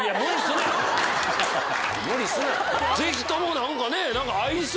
ぜひとも何かね。